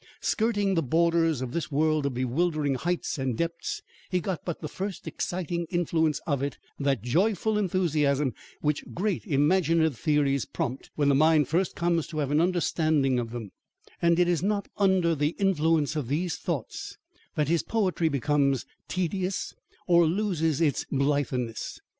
Skirting the borders of this world of bewildering heights and depths, he got but the first exciting influence of it, that joyful enthusiasm which great imaginative theories prompt, when the mind first comes to have an understanding of them; and it is not under the influence of these thoughts that his poetry becomes tedious or loses its blitheness.